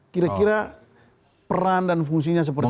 kira kira peran dan fungsinya seperti apa